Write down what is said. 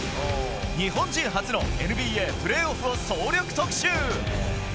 日本人初のＮＢＡプレーオフを総力特集。